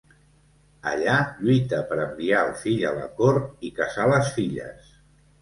Allà lluita per enviar el fill a la cort i casar les filles.